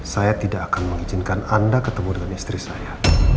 saya tidak akan mengizinkan anda ketemu dengan istri saya